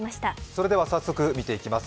それでは早速見ていきます。